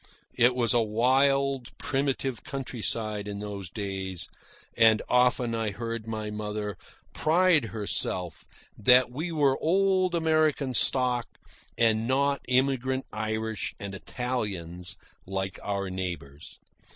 It was a wild, primitive countryside in those days; and often I heard my mother pride herself that we were old American stock and not immigrant Irish and Italians like our neighbours.